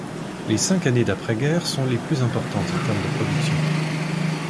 Les cinq années d'après-guerre sont les plus importantes en termes de production.